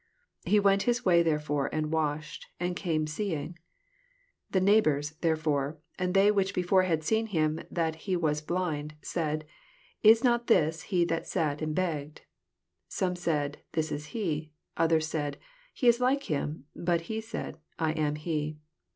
He went his way therefore, and washed, and came see ing. 8 The neighbours, therefore, and they which before had seen him tiiat be was blind, said, Is not this he that sat and begged 7 9 Some said, This is he; others ffoit/, He is like him: btd he said, I am Ae.